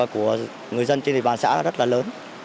của người dân trên địa bàn xã rất là lớn